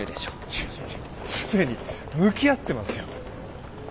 いやいや既に向き合ってますよ。